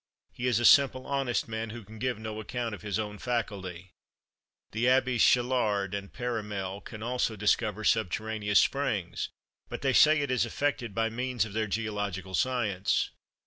He is a simple, honest man, who can give no account of his own faculty. The Abbés Chatelard and Paramelle can also discover subterraneous springs; but they say it is effected by means of their geological science.